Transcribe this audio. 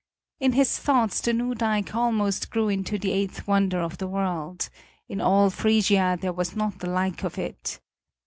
In his thoughts the new dike almost grew into the eighth wonder of the world; in all Frisia there was not the like of it.